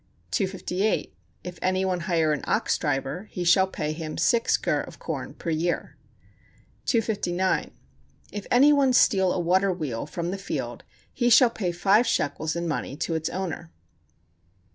258. If any one hire an ox driver, he shall pay him six gur of corn per year. 259. If any one steal a water wheel from the field, he shall pay five shekels in money to its owner.